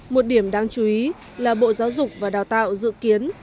một điểm đáng chú ý là bộ giáo dục và đào tạo dự kiến